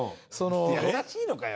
優しいのかよ。